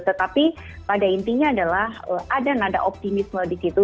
tetapi pada intinya adalah ada nada optimisme di situ